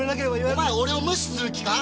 お前俺を無視する気か！？